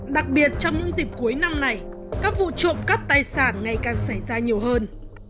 đặc biệt trong những dịp cuối năm này các vụ trộm cắp tài sản ngày càng xảy ra nhiều hơn